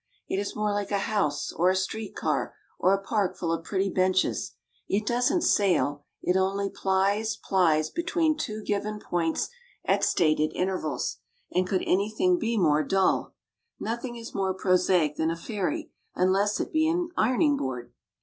It is more like a house or a street car or a park full of pretty benches. It doesn't sail, it only plies, plies between two given points at stated intervals, and could anything be more dull. Nothing is more prosaic than a ferry unless it be an ironing board.